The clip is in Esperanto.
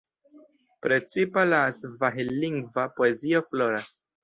Precipa la svahil-lingva poezio floras.